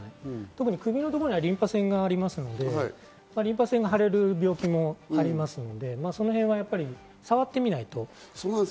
特に首のところにはリンパ腺がありますので、リンパ腺が腫れる病気もありますので、そのへんは触ってみないと。